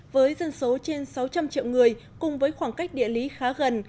với dân số trên sáu trăm linh triệu người cùng với khoảng cách địa lý khá gần